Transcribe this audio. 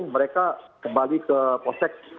mereka kembali ke possek